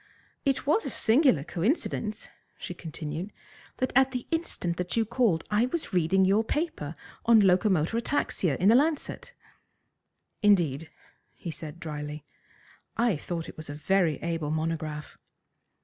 "It was a singular coincidence," she continued, "that at the instant that you called I was reading your paper on 'Locomotor Ataxia,' in the Lancet." "Indeed," said he drily. "I thought it was a very able monograph."